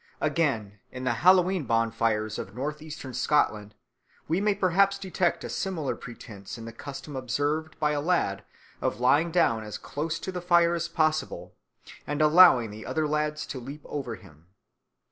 Again, in the Hallowe'en bonfires of Northeastern Scotland we may perhaps detect a similar pretence in the custom observed by a lad of lying down as close to the fire as possible and allowing the other lads to leap over him.